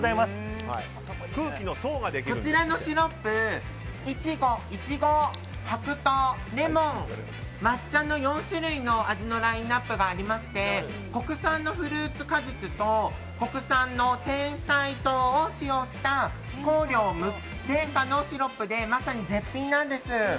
こちらのシロップイチゴ、白桃、レモン、抹茶の４種類の味のラインアップがありまして国産のフルーツ果実と国産のてんさい糖を使用した香料無添加のシロップでまさに絶品なんです。